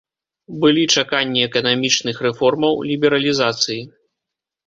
Былі чаканні эканамічных рэформаў, лібералізацыі.